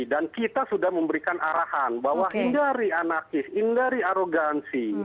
dan kita sudah memberikan arahan bahwa hindari anakis hindari arogansi